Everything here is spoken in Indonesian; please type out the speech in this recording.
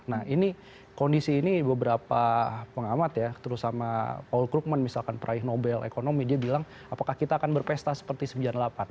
nah ini kondisi ini beberapa pengamat ya terus sama paul krukman misalkan peraih nobel ekonomi dia bilang apakah kita akan berpesta seperti sembilan puluh delapan